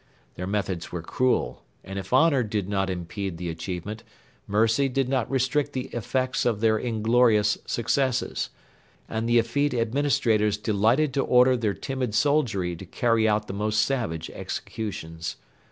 Their methods were cruel, and if honour did not impede the achievement, mercy did not restrict the effects of their inglorious successes; and the effete administrators delighted to order their timid soldiery to carry out the most savage executions.